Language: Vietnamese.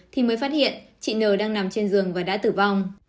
thì mới phát hiện chị nờ đang nằm trên giường và đã tử vong